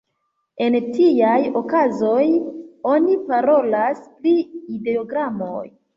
En tiaj okazoj oni parolas pri ideogramoj.